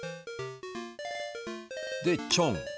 でちょん。